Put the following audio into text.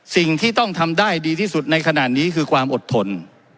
สิ่งที่ต้องทำได้ดีที่สุดในขณะนี้คือความอดทน